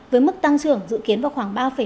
với mức tăng trưởng dự kiến vào khoảng ba năm